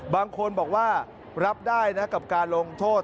บางคนบอกว่ารับได้นะกับการลงโทษ